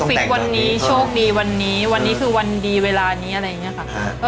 ต้องฟิกวันนี้ช่วงดีวันนี้วันนี้คือวันดีเวลานี้อะไรอย่างเงี้ยครับ